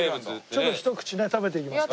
ちょっとひと口ね食べてみますか？